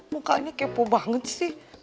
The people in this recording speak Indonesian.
mukanya kepo banget sih